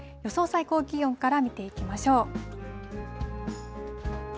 最高気温から見ていきましょう。